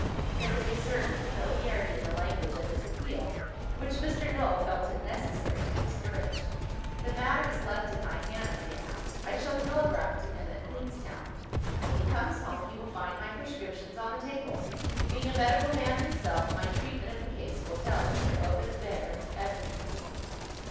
There was a certain familiarity in the language of this appeal, which Mr. Null felt it necessary to discourage. "The matter is left in my hands," he announced. "I shall telegraph to him at Queenstown. When he comes home, he will find my prescriptions on the table. Being a medical man himself, my treatment of the case will tell Mr. Ovid Vere everything."